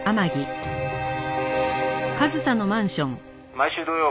「毎週土曜